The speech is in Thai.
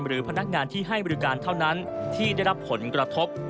พนักงานที่ให้บริการเท่านั้นที่ได้รับผลกระทบ